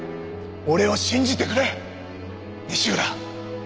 俺を信じてくれ西浦！